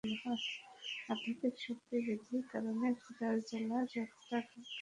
আধ্যাত্মিক শক্তি বৃদ্ধির কারণে ক্ষুধার জ্বালা রোজাদারকে কাবু করতে পারে না।